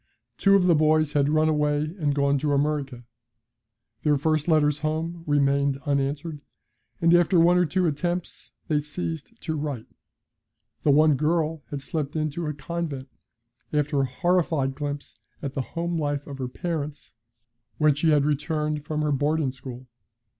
Two of the boys had run away and gone to America; their first letters home remained unanswered, and after one or two attempts they ceased to write. The one girl had slipped into a convent, after a horrified glimpse at the home life of her parents when she had returned from her boarding school.